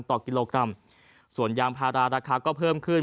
ต่อกิโลกรัมส่วนยางพาราราคาก็เพิ่มขึ้น